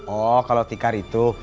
oh kalau tikar itu